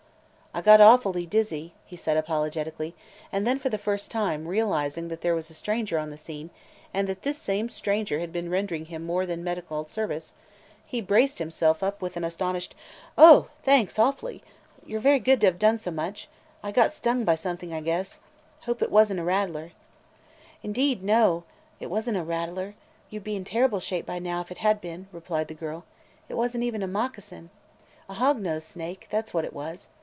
"I got awfully dizzy!" he said apologetically, and then, for the first time realizing that there was a stranger on the scene and that this same stranger had been rendering him more than medical service, he braced himself up with an astonished, "Oh, thanks, awfully! You 're very good to have done so much. I got stung by something, I guess. Hope it was n't a rattler!" "Indeed, no! It was n't a rattler! You 'd be in terrible shape by now if it had been," replied the girl. "It was n't even a moccasin. A hog nosed snake – that 's what it was.